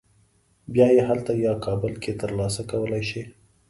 بیا یې هلته یا کابل کې تر لاسه کولی شې.